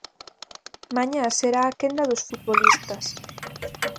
Mañá será a quenda dos futbolistas.